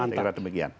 saya kira demikian